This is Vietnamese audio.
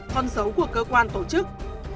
con dấu của cơ quan tổ chức